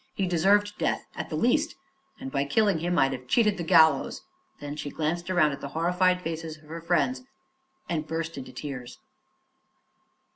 "He deserved death, at the least, and by killing him I'd have cheated the gallows." Then she glanced around at the horrified faces of her friends and burst into tears.